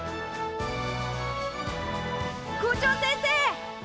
校長先生！